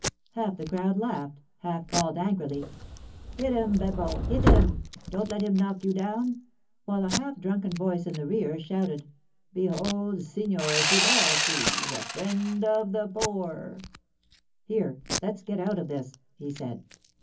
Half the crowd laughed, half called angrily, 'Hit him, Beppo, hit him. Don't let him knock you down,' while a half drunken voice in the rear shouted, 'Behold Signor Siberti, the friend of the poor!' 'Here, let's get out of this,' he said.